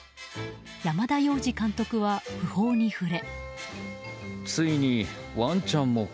山田洋次監督は、訃報に触れ。